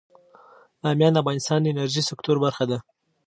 بامیان د افغانستان د انرژۍ سکتور برخه ده.